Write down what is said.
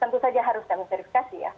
tentu saja harus kami verifikasi ya